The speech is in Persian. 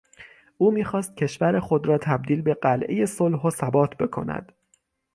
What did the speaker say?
او میخواست کشور خود را تبدیل به قلعهی صلح و ثبات بکند.